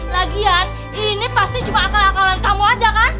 lagian ini pasti cuma akal akalan kamu aja kan